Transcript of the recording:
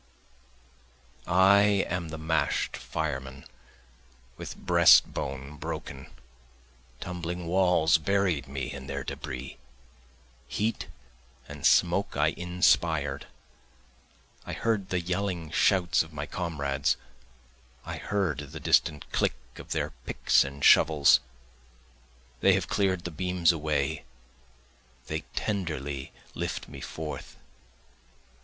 I am the mash'd fireman with breast bone broken, Tumbling walls buried me in their debris, Heat and smoke I inspired, I heard the yelling shouts of my comrades, I heard the distant click of their picks and shovels, They have clear'd the beams away, they tenderly lift me forth.